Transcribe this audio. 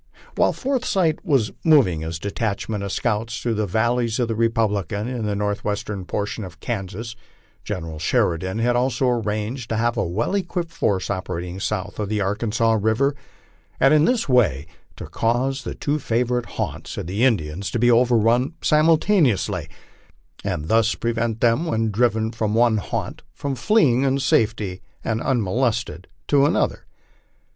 While Forsyth was moving his detachment of scouts through the valleys of the Republican, in the northwestern portion of Kansas, General Sheridan had also arranged to have a well equipped force operating south of the Arkansas river, and in this way to cause the two favorite haunts of the Indians to be overrun simultaneously, and thus prevent them when driven from one haunt from fleeing in safety and unmolested to another.